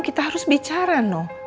kita harus bicara no